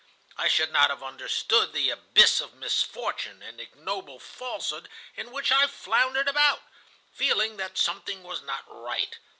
I should not have understood the abyss of misfortune and ignoble falsehood in which I floundered about, feeling that something was not right.